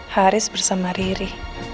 haris bersama riri